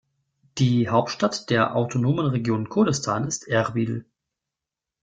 Die Hauptstadt der autonomen Region Kurdistan ist Erbil.